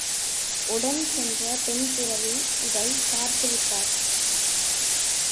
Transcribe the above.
உடன் சென்ற பெண் துறவி இதைப் பார்த்து விட்டார்.